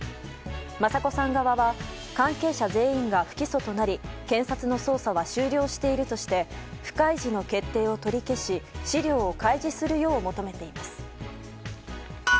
雅子さん側は関係者全員が不起訴となり検察の捜査は終了しているとして不開示の決定を取り消し資料を開示するよう求めています。